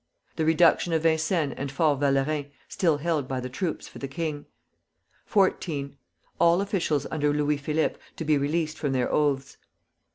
The reduction of Vincennes and Fort Valérien, still held by the troops for the king. 14. All officials under Louis Philippe to be released from their oaths.